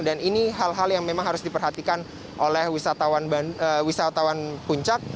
dan ini hal hal yang memang harus diperhatikan oleh wisatawan puncak